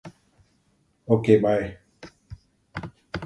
Hurricane Katty is named for Randles' widow, Katty Pepermans.